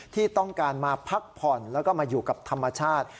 ที่ต้องการมาพักผ่อนแล้วก็มาอยู่กับธรรมชาติ